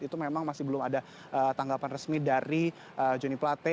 itu memang masih belum ada tanggapan resmi dari joni plate